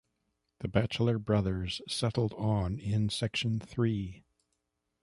The bachelor brothers settled on in section three.